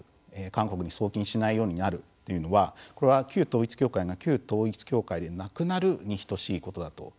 韓国に送金しないようになるというのはこれは旧統一教会が旧統一教会でなくなることに等しいことだと。